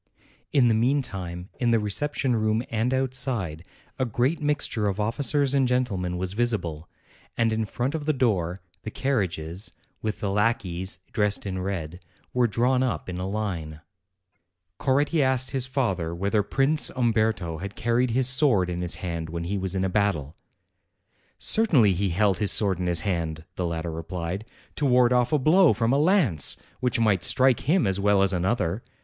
In the meantime, in the reception room and outside, a great mixture of officers and gentlemen was visible, and in front of the door, the carriages, with the lackeys dressed in red, were drawn up in a line. 208 APRIL Coretti asked his father whether Prince Umberto had carried his sword in his hand when he was in a battle. "Certainly, he held his sword in his hand," the latter replied, "to ward off a blow from a lance, which might strike him as well as another.